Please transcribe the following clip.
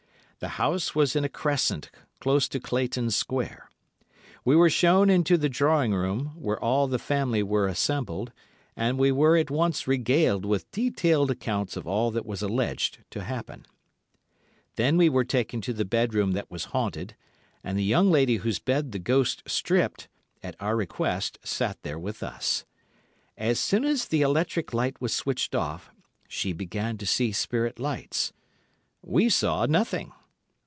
The house was in a crescent, close to Clayton Square. We were shown into the drawing room, where all the family were assembled, and we were at once regaled with detailed accounts of all that was alleged to happen. Then we were taken to the bedroom that was haunted, and the young lady whose bed the ghost stripped, at our request, sat there with us. As soon as the electric light was switched off, she began to see spirit lights. We saw nothing.